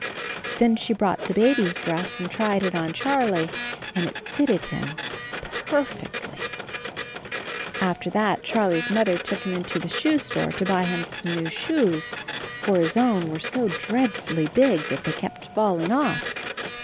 Then she brought the baby's dress and tried it on Charlie, and it fitted him perfectly. After that Charlie's Mother took him into the shoe store to buy him some new shoes, for his own were so dreadfully big that they kept falling off.